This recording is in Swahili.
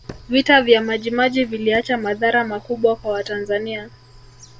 vita vya majimaji viliacha madhara makubwa kwa watanzania